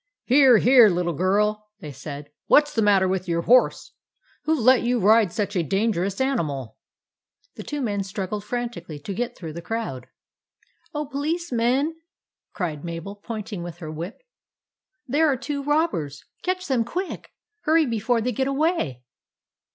" Here, here, little girl," they said ;" what s the matter with your horse ? Who let you ride such a dangerous animal ?" The two men struggled frantically to get through the crowd. REX PLAYS POLICEMAN 71 " Oh, Policeman," cried Mabel, pointing with her whip, " there are two robbers ! Catch them quick ! Hurry, before they get away